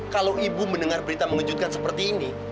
kalau ibu mendengar berita mengejutkan seperti ini